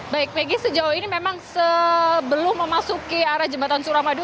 baik megi sejauh ini memang sebelum memasuki arah jembatan suramadu